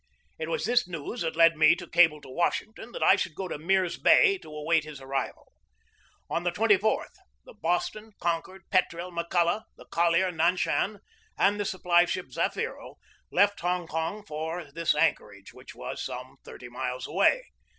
It was this news that led me to cable to Washington that I should go to Mirs Bay to await his arrival. On the 24th the Boston, Con cord, Petrel, McCulloch, the collier Nanshan, and the supply ship Zafiro left Hong Kong for this anchor age, which was some thirty miles away.